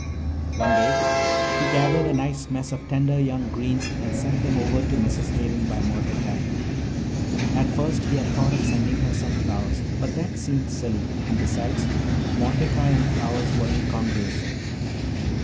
One day he gathered a nice mess of tender young greens and sent them over to Mrs. Hayden by Mordecai. At first he had thought of sending her some flowers, but that seemed silly, and besides, Mordecai and flowers were incongruous.